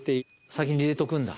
先に入れておくんだ。